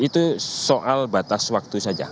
itu soal batas waktu saja